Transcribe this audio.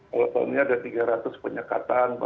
kalau tahun ini ada tiga ratus penyekatan